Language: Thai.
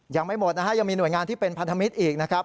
ยังไม่หมดนะฮะยังมีหน่วยงานที่เป็นพันธมิตรอีกนะครับ